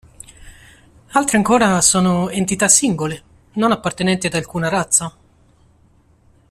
Altri ancora sono entità singole, non appartenenti ad alcuna razza.